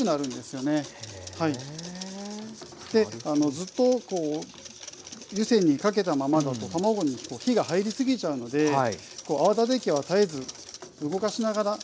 ずっとこう湯煎にかけたままだと卵に火が入り過ぎちゃうので泡立て器は絶えず動かしながら。